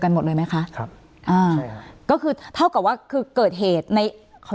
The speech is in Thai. กันหมดเลยไหมคะครับอ่าก็คือเท่ากว่าคือเกิดเหตุในเขา